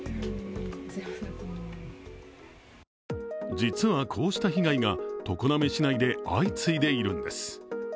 実はこうした被害が常滑市内で相次いでいるんです。